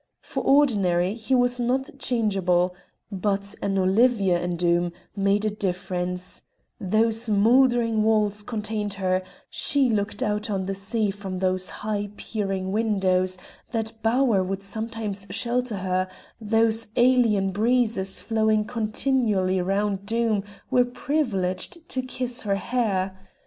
For ordinary he was not changeable, but an Olivia in Doom made a difference: those mouldering walls contained her; she looked out on the sea from those high peering windows; that bower would sometimes shelter her; those alien breezes flowing continually round Doom were privileged to kiss her hair.